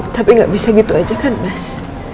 tapi nggak bisa gitu aja kan mas